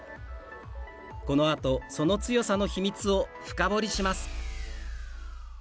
このあと、その強さの秘密を深掘りします！